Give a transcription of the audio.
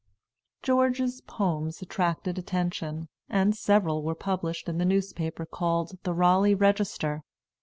George's poems attracted attention, and several were published in the newspaper called "The Raleigh Register."